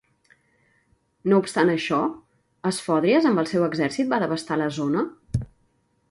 No obstant això, Esfòdries amb el seu exèrcit va devastar la zona?